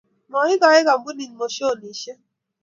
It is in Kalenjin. maikoi kampunii moshonishek